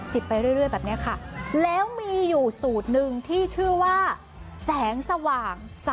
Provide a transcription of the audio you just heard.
จิบไปเรื่อยของ